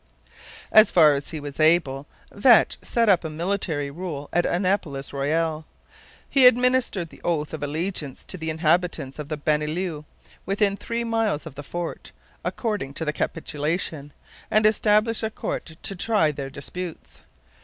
As far as he was able, Vetch set up military rule at Annapolis Royal. He administered the oath of allegiance to the inhabitants of the banlieue within three miles of the fort according to the capitulation, and established a court to try their disputes.